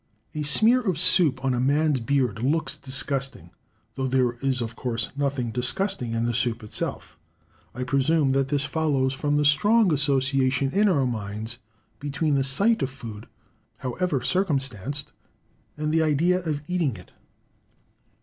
A smear of soup on a man's beard looks disgusting, though there is of course nothing disgusting in the soup itself. I presume that this follows from the strong association in our minds between the sight of food, however circumstanced, and the idea of eating it.